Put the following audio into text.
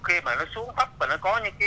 khi mà nó xuống ấp và nó có những cái